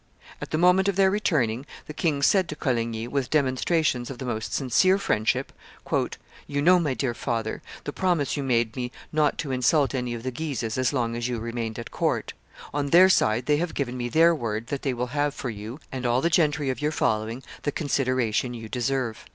At the moment of their returning, the king said to Coligny, with demonstrations of the most sincere friendship, "You know, my dear father, the promise you made me not to insult any of the Guises as long as you remained at court. On their side, they have given me their word that they will have for you, and all the gentry of your following, the consideration you deserve.